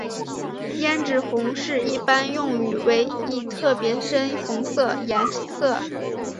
胭脂红是一般用语为一特别深红色颜色。